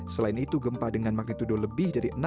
selain itu gempa dengan magnitudo lebih dari enam